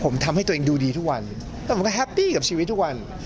มันก็แฮปพีกับชีวิตทุกวัน